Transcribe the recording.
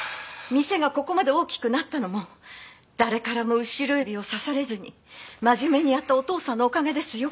店がここまで大きくなったのも誰からも後ろ指をさされずに真面目にやったお父さんのおかげですよ。